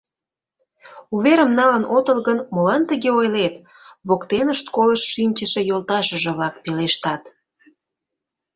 — Уверым налын отыл гын, молан тыге ойлет? — воктенышт колышт шинчыше йолташыже-влак пелештат.